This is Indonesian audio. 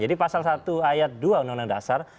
jadi pasal satu ayat dua undang undang dasar